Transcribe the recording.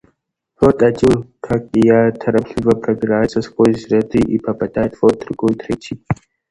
Вот один, как и я, торопливо пробирается сквозь ряды и падает; вот другой, третий.